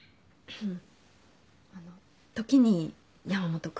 うん。